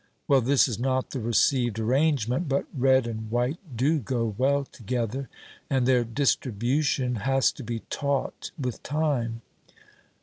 Well, this is not the received arrangement, but red and white do go well together, and their distribution has to be taught with time.